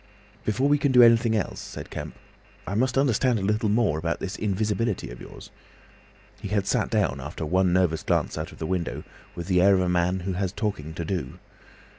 "Before we can do anything else," said Kemp, "I must understand a little more about this invisibility of yours." He had sat down, after one nervous glance out of the window, with the air of a man who has talking to do.